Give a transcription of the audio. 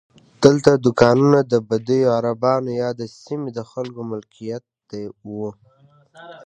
دلته دوکانونه د بدوي عربانو یا د سیمې د خلکو ملکیت وو.